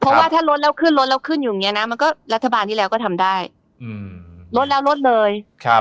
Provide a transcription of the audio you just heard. เพราะว่าถ้าลดแล้วขึ้นรถแล้วขึ้นอยู่อย่างนี้นะมันก็รัฐบาลที่แล้วก็ทำได้ลดแล้วลดเลย